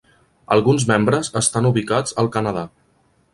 Alguns membres estan ubicats al Canadà.